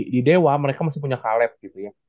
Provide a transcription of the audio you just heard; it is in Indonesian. di dewa mereka masih punya kaleb gitu ya